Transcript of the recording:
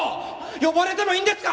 呼ばれてもいいんですか！？